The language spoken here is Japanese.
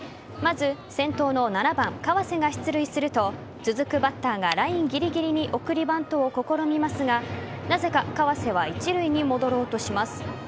まず先頭の７番・川瀬が出塁すると続くバッターがラインぎりぎりに送りバントを試みますがなぜか川瀬は一塁に戻ろうとします。